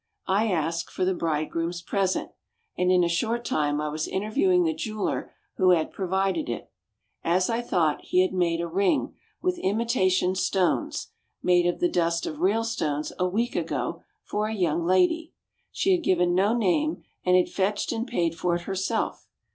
I asked for the bridegroom's present, and in a short time I was interviewing the jeweller who had provided it. As I thought, he had made a ring, with imitation stones (made of the dust of real stones), a week ago, for a young lady. She had given no name and had fetched and paid for it herself.